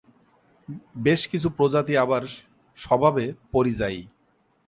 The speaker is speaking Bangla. বেশ কিছু প্রজাতি আবার স্বভাবে পরিযায়ী।